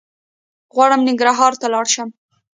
غواړم ننګرهار ته لاړ شم